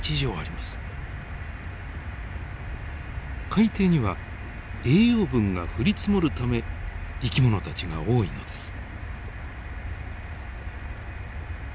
海底には栄養分が降り積もるため生き物たちが多いのです。